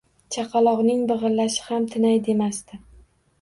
Chaqaloqning big’illashi ham tinay demasdi.